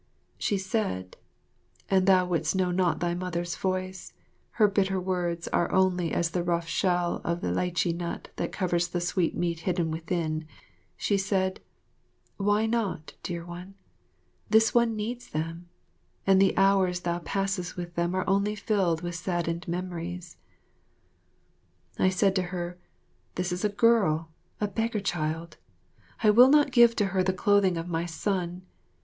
She said and thou would'st not know thy Mother's voice, her bitter words are only as the rough shell of the lichee nut that covers the sweet meat hidden within she said, "Why not, dear one? This one needs them, and the hours thou passest with them are only filled with saddened memories." I said to her, "This is a girl, a beggar child. I will not give to her the clothing of my son.